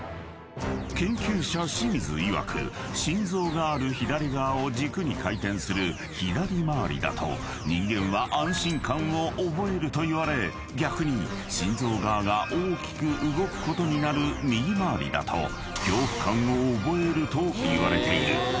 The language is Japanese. ［研究者清水いわく心臓がある左側を軸に回転する左回りだと人間は安心感を覚えるといわれ逆に心臓側が大きく動くことになる右回りだと恐怖感を覚えるといわれている］